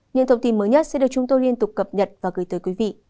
những thông tin mới nhất sẽ được chúng tôi liên tục cập nhật và gửi tới quý vị